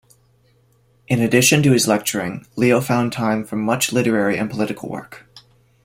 In addition to his lecturing, Leo found time for much literary and political work.